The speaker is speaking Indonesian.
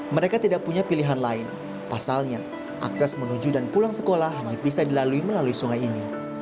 mereka tidak punya pilihan lain pasalnya akses menuju dan pulang sekolah hanya bisa dilalui melalui sungai ini